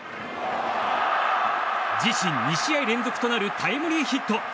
自身２試合連続となるタイムリーヒット。